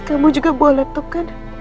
kamu juga bawa laptop kan